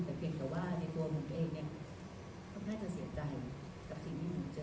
แต่เพียงแต่ว่าในตัวหนูเองเนี่ยก็น่าจะเสียใจกับสิ่งที่หนูเจอ